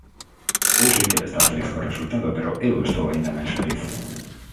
Eu sei que el está feliz co resultado, pero eu estou aínda máis feliz.